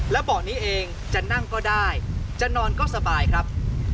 และเบาะนี้เองจะนั่งก็ได้จะนอนก็สบายครับ